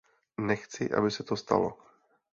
Nechci, aby se to stalo.